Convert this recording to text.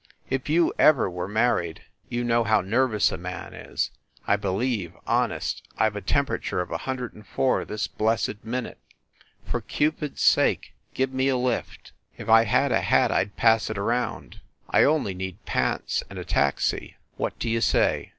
If you ever were married, you know how nervous a man is I believe, honest, I ve a temperature of a hundred and four this blessed minute. For Cupid s sake, give me a lift! If I had a hat, I d pass it around. I only need pants and a taxi. What do you say